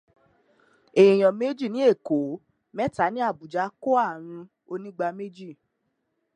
Èèyàn méje ní Èkó, mẹ́ta ni Àbújá kó ààrùn onígbáméjì.